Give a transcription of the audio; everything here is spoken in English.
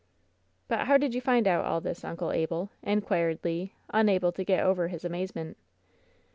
"But how did you find out all this. Uncle Abel ?" in quired Le, unable to get over his amazement.